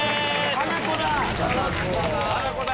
ハナコだ！